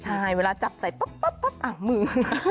ใช่เวลาจับใส่ป๊อบป๊อบป๊อบอ่ะมือ